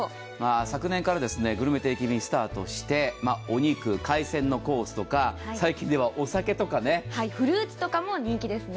昨年からグルメ定期便スタートしてお肉、海鮮のコースとか、最近ではお酒とかフルーツとかも人気ですね。